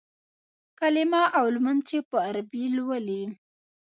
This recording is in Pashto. کلیمه او لمونځ چې په عربي لولې.